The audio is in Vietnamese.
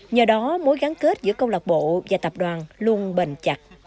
nhờ đó mối gắn kết giữa câu lạc bộ và tạp đoàn luôn bền chặt